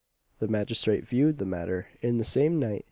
The magistrate viewed the matter in the same light.